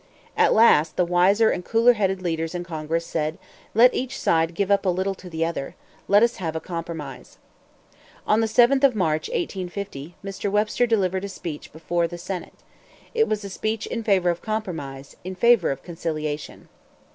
At last, the wiser and cooler headed leaders in Congress said, "Let each side give up a little to the other. Let us have a compromise." On the 7th of March, 1850, Mr. Webster delivered a speech before the senate. It was a speech in favor of compromise, in favor of conciliation.